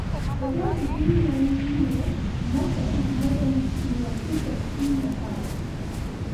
Februari ishirini na nane mwaka elfumoja miatisa sitini na Saba